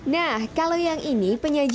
nah kalau yang ini penyajiannya untuk siap